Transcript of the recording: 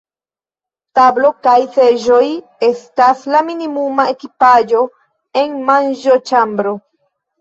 Tablo kaj seĝoj estas la minimuma ekipaĵo en manĝoĉambro.